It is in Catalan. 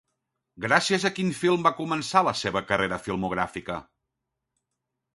Gràcies a quin film va començar la seva carrera filmogràfica?